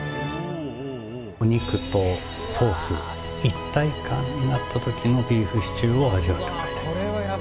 お肉とソースが一体になった時のビーフシチューを味わってもらいたいなと。